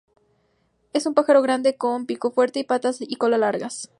Es un pájaro grande, con pico fuerte, y patas y cola largas.